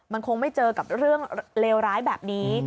มันคงไม่เจอกับเรื่องเลวร้ายแบบนี้